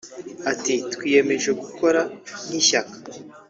Ati “Twiyemeje gukora nk’ishyaka